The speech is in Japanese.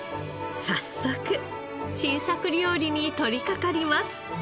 早速新作料理に取りかかります。